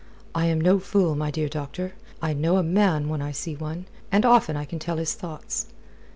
"I am no fool, my dear doctor. I know a man when I see one, and often I can tell his thoughts."